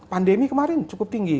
pandemi kemarin cukup tinggi